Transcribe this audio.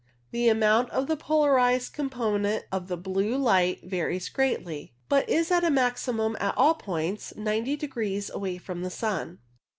The amount of the polarized component of the blue light varies greatly, but is at a maximum at all points 90 degrees away from the sun.